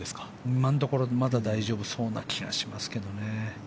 今のところまだ大丈夫そうな気がしますけどね。